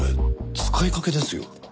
使いかけですよ。